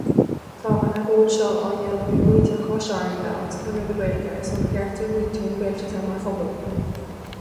Tá an agóid seo á dheanamh ag muintir Chois Fharraige agus Conradh na Gaeilge ar son chearta mhuintir na Gaeltachta mar phobal.